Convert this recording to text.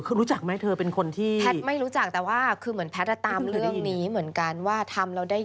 คือรู้จักไหมเธอเป็นคนที่แพทย์ไม่รู้จักแต่ว่าคือเหมือนแพทย์ตามเรื่องนี้เหมือนกันว่าทำแล้วได้